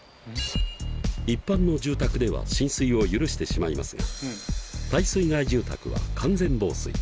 一般の住宅では浸水を許してしまいますが耐水害住宅は完全防水。